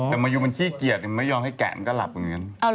แต่มายูมันขี้เกียจไม่ยอมให้แกะมันก็หลับอย่างนั้น